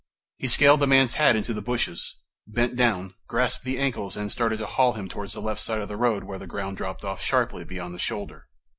He scaled the man's hat into the bushes, bent down, grasped the ankles and started to haul him towards the left side of the road where the ground dropped off sharply beyond the shoulder.